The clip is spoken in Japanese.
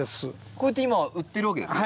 こうやって今売ってるわけですか？